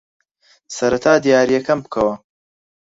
سەرەتا دیارییەکەم بکەوە.